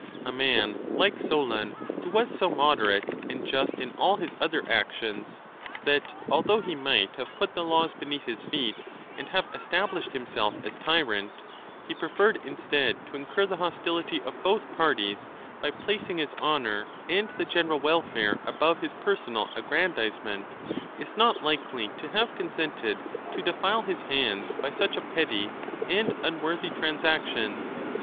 A man like Solon, who was so moderate and just in all his other actions, that although he might have put the laws beneath his feet and have established himself as tyrant, he preferred instead to incur the hostility of both parties by placing his honour and the general welfare above his personal aggrandisement, is not likely to have consented to defile his hands by such a petty and unworthy transaction.